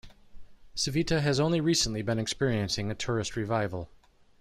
Civita has only recently been experiencing a tourist revival.